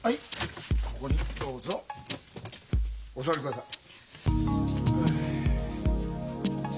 ここにどうぞお座りください。